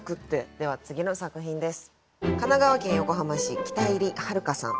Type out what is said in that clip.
では次の作品です。